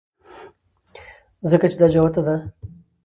ځکه چې دا جوته ده